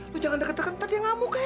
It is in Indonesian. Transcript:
lu jangan deket deket tadi yang ngamuk ya